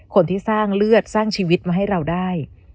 คนที่สร้างเลือดสร้างชีวิตมาให้เราได้